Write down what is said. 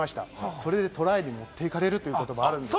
それでトライに持ってかれるということもあるんですよ。